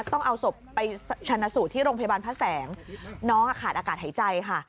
ต้องเอาศพไปชนะสูตรที่โรงพยาบาลพระแสงน้องขาดอากาศหายใจค่ะ